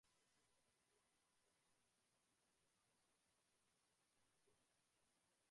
En el período clásico de la civilización griega sobresalió el arte de curar.